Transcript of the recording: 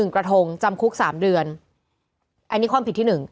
กระทงจำคุก๓เดือนอันนี้ความผิดที่๑